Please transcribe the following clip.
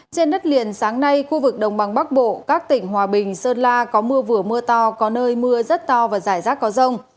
trên đất liền sáng nay khu vực đồng bằng bắc bộ các tỉnh hòa bình sơn la có mưa vừa mưa to có nơi mưa rất to và giải rác có rông